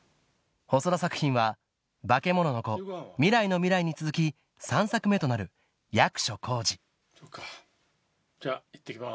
細田作品は『バケモノの子』『未来のミライ』に続き３作目となるそうかじゃいってきます。